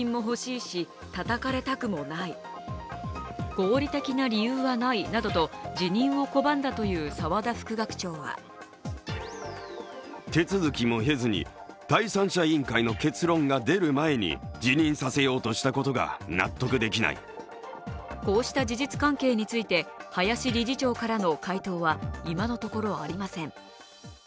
合理的な理由はないなどと辞任を拒んだという澤田副学長はこうした事実関係について、林理事長からの回答は今のところありません。